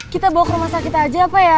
kita bawa ke rumah sakit aja pak ya